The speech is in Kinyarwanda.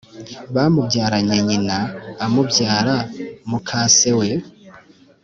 Bamubyaranye nyina umubyara mukase we